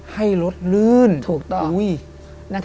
ให้รถลื่น